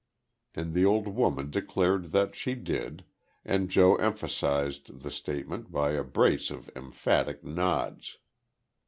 And the old woman declared that she did, and Joe emphasised the statement by a brace of emphatic nods.